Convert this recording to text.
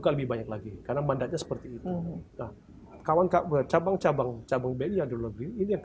lebih banyak lagi karena mandatnya seperti itu kawan kawan cabang cabang cabang beli beli ini